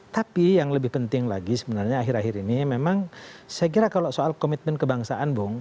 tapi yang lebih penting lagi sebenarnya akhir akhir ini memang saya kira kalau soal komitmen kebangsaan bung